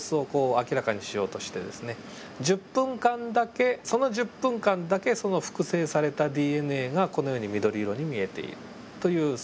１０分間だけその１０分間だけその複製されたＤＮＡがこのように緑色に見えているというそういう図です。